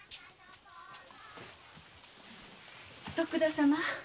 徳田様